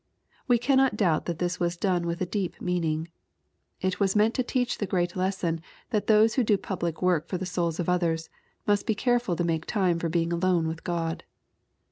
We cannot doubt that this was done with a deep meaning. It was meant to teach ih^f great lesson that those who do public work for the souls of others, must be careful to make time for being alone with God.